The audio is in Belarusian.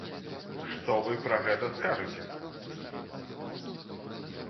Што вы пра гэта скажаце?